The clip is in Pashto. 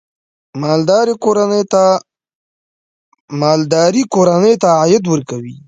مالداري کورنۍ ته عاید ورکوي.